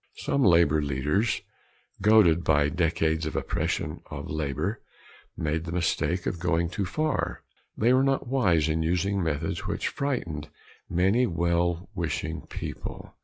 Some labor leaders goaded by decades of oppression of labor made the mistake of going too far. They were not wise in using methods which frightened many well wishing people.